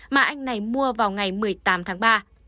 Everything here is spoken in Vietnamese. mà anh này mua vào ngày một mươi tám tháng ba